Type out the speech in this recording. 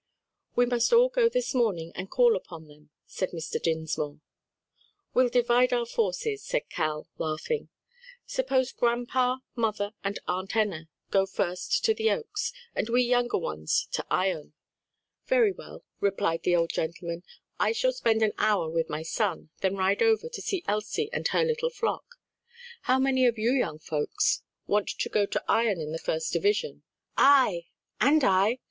"We must all go this morning and call upon them," said Mr. Dinsmore. "We'll divide our forces," said Cal, laughing. "Suppose grandpa, mother and Aunt Enna, go first to the Oaks; and we younger ones to Ion?" "Very well," replied the old gentleman, "I shall spend an hour with my son, then ride over to see Elsie and her little flock. How many of you young folks want to go to Ion in the first division?" "I!" "And I!"